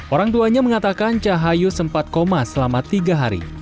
orang tuanya mengatakan cahayu sempat koma selama tiga hari